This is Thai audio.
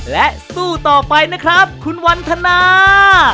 และสู้ต่อไปนะครับคุณวันทนา